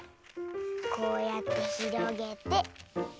こうやってひろげて。